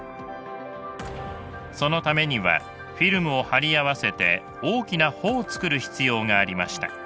そのためにはフィルムを貼り合わせて大きな帆を作る必要がありました。